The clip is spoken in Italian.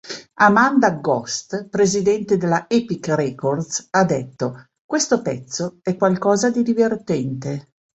Amanda Ghost, presidente della Epic Records Ha detto: "Questo pezzo è qualcosa di divertente.